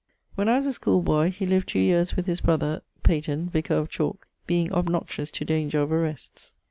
When I was a school boy he lived two yeares with his brother ... Peyton, vicar of Chalke, being obnoxious to danger of arests.